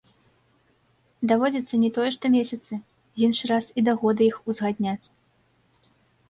Даводзіцца не тое што месяцы, іншы раз і да года іх узгадняць.